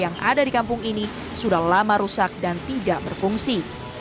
yang ada di kampung ini sudah lama rusak dan tidak berfungsi